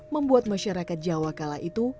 membuat masyarakat jawa kala itu